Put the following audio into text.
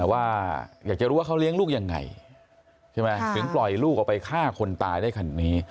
ว่าอยากจะรู้ว่าเขาเลี้ยงลูกยังไงใช่ไหมถึงปล่อยลูกออกไปฆ่าคนตายได้ขนาดนี้